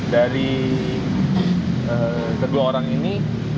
dari kedua orang ini